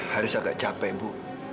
haris agak capek bu